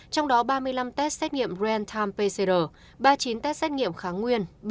trong đó ba mươi năm test xét nghiệm real time pcr ba mươi chín test xét nghiệm kháng nguyên